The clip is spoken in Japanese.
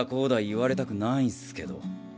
言われたくないんすけど。